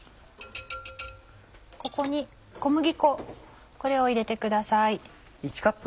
ここに小麦粉これを入れてください。